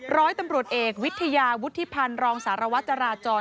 ร้อยตำรวจเอกวิทยาวุฒิพันธ์รองสารวัตรจราจร